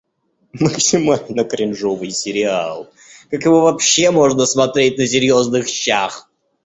Максимально кринжовый сериал, как его вообще можно смотреть на серьёзных щщах?